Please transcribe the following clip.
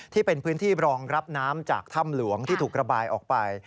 ที่เป็นพื้นที่รองรับน้ำจากถ้ำหลวงที่ถูกระบายออกไป